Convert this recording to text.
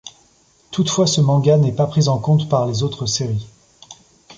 Toutefois, ce manga n'est pas pris en compte par les autres séries.